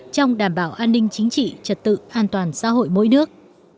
trong đảm bảo an ninh chính trị trật tự an toàn xã hội mỗi nước